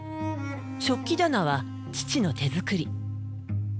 食器棚は父の手作り。